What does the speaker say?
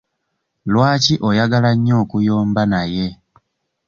Lwaki oyagala nnyo okuyomba naye?